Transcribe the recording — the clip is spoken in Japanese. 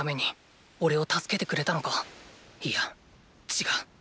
いや違う。